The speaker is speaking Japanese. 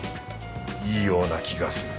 いいような気がする。